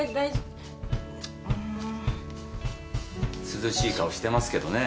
涼しい顔してますけどね